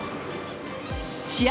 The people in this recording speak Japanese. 試合